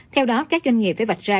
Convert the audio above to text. theo đó các doanh nghiệp phải vạch ra